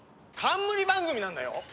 冠番組なんだよ！？